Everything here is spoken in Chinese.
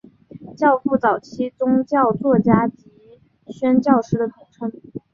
教父早期宗教作家及宣教师的统称。